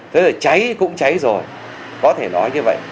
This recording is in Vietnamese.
thế rồi cháy cũng cháy rồi có thể nói như vậy